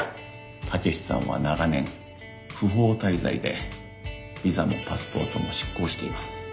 武志さんは長年不法滞在でビザもパスポートも失効しています。